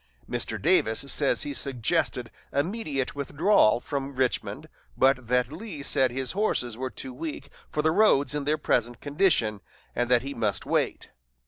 Mr. Davis says he suggested immediate withdrawal from Richmond, but that Lee said his horses were too weak for the roads in their present condition, and that he must wait.